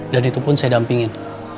dan itu pun saya dampingin